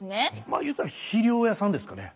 まあ言うたら肥料屋さんですかね。